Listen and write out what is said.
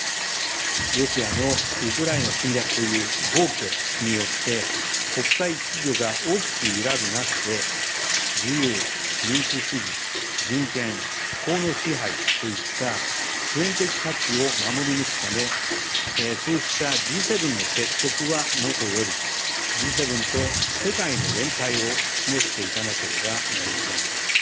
ロシアのウクライナ侵略という暴挙によって、国際秩序が大きく揺らぐ中で、自由・民主主義・人権・法の支配といった普遍的価値を守り抜くため、そうしたＧ７の結束はもとより、Ｇ７と世界の連帯を示していかなければなりません。